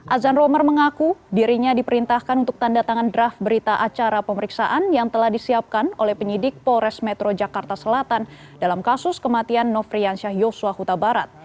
azan romer mengaku dirinya diperintahkan untuk tanda tangan draft berita acara pemeriksaan yang telah disiapkan oleh penyidik polres metro jakarta selatan dalam kasus kematian nofriansyah yosua huta barat